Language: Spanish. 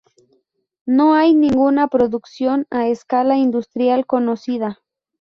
No hay ninguna producción a escala industrial conocida.